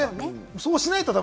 そうしないと。